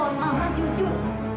tolong jawab mama jujur